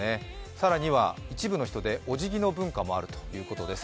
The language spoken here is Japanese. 更には一部の人でおじぎの文化もあるということです。